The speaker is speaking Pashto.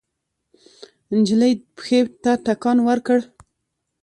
نجلۍ پښې ته ټکان ورکړ.